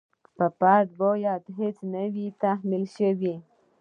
په فرد باید څه نه وي تحمیل شوي.